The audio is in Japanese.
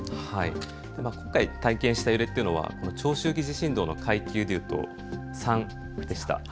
今回、体験した揺れというのは長周期地震動の階級でいうと３でした。